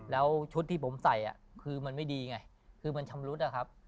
แล้วชุดที่ผมใส่คือมันไม่ดีไงคือมันชำรุดอะครับ